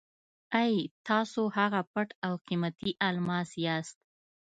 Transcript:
اې! تاسو هغه پټ او قیمتي الماس یاست.